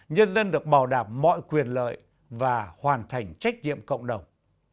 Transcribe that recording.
nhân dân được bảo đảm mọi quyền lợi và hoàn thành trách nhiệm cộng đồng